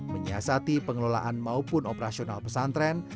menyiasati pengelolaan maupun operasional pesantren